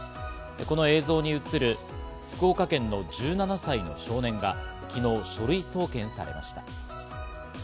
この映像に映る福岡県の１７歳の少年が、昨日、書類送検されました。